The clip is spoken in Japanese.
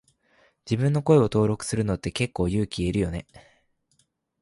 自分の声を登録するのって結構勇気いるよね。